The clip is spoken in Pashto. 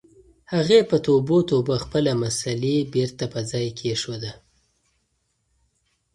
هغې په توبو توبو خپله مصلّی بېرته په ځای کېښوده.